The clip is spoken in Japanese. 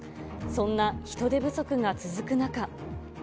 そんな人手不足が続く中。